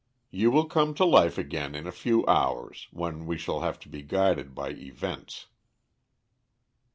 You will come to life again in a few hours when we shall have to be guided by events."